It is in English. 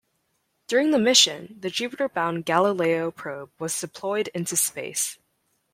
During the mission, the Jupiter-bound "Galileo" probe was deployed into space.